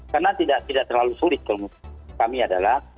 karena tidak terlalu sulit kalau kami adalah